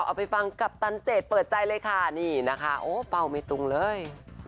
เอาไปฟังกัปตันเจดเปิดใจเลยค่ะนี่นะคะโอ้เป้าไม่ตรงเลย